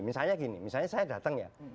misalnya gini misalnya saya datang ya